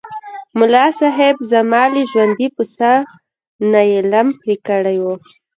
ملاصاحب! زما له ژوندي پسه نه یې لم پرې کړی و.